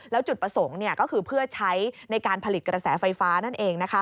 แล้วจุดประสงค์ก็คือเพื่อใช้ในการผลิตกระแสไฟฟ้านั่นเอง